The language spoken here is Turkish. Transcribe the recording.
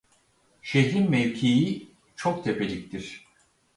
Şehrin mevkii çok tepeliktir.